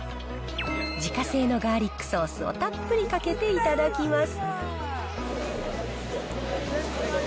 自家製のガーリックソースをたっぷりかけていただきます。